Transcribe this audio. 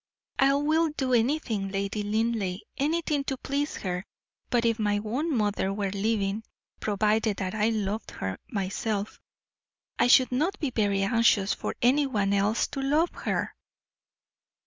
"I will do anything, Lady Linleigh anything to please her, but if my own mother were living, provided that I loved her myself, I should not be very anxious for any one else to love her."